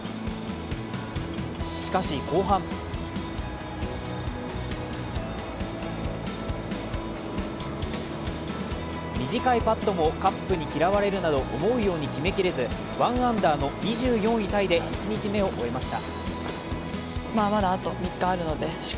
しかし、後半短いパットもカップに嫌われるなど思うように決めきれず、１アンダーの２４位タイで１日目を終えました。